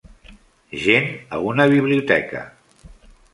Gent a una biblioteca.